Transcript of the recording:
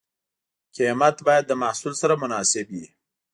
قیمت باید له محصول سره مناسب وي.